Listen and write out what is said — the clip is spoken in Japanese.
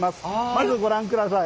まずご覧ください。